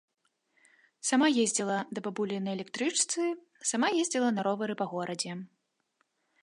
Сама ездзіла да бабулі на электрычцы, сама ездзіла на ровары па горадзе.